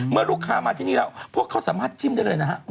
เมื่อลูกค้ามาที่นี่แล้วพวกเขาสามารถจิ้มได้เลยนะฮะ